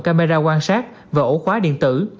camera quan sát và ổ khóa điện tử